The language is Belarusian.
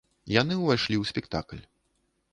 Яны ўвайшлі ў спектакль.